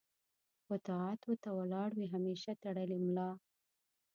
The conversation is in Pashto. و طاعت و ته ولاړ وي همېشه تړلې ملا